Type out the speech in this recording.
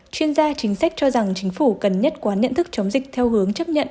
chuyên gia chính sách cho rằng chính phủ cần nhất quán nhận thức chống dịch theo hướng chấp nhận